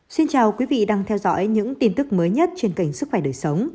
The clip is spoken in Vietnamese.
xin chào quý vị đang theo dõi những tin tức mới nhất trên kênh sức khỏe đời sống